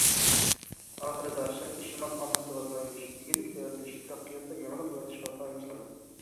ئاخىرىدا شەرقىي شىمال ئاممىسىغا تايىنىش، ئىگىلىك يارىتىش، تەرەققىياتتا يېڭىلىق يارىتىشقا تايىنىش لازىم.